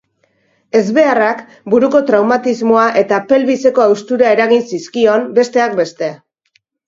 Ezbeharrak buruko traumatismoa eta pelbiseko haustura eragin zizkion, besteak beste.